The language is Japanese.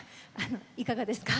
いかがですか？